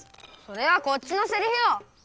それはこっちのセリフよ！